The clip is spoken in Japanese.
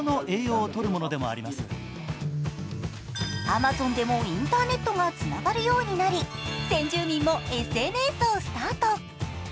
アマゾンでもインターネットがつながるようになり、先住民もＳＮＳをスタート。